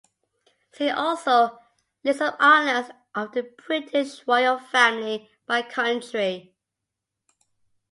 See also: "List of honours of the British Royal Family by country"